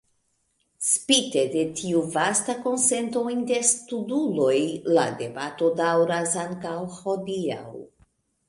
Spite de tiu vasta konsento inter studuloj, la debato daŭras ankaŭ hodiaŭ.